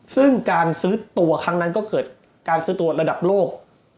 ซึ่งการซื้อตัวครั้งนั้นก็เกิดการซื้อตัวระดับโลก